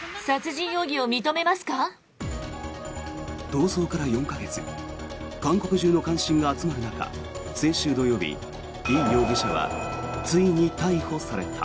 逃走から４か月韓国中の関心が集まる中先週土曜日イ容疑者はついに逮捕された。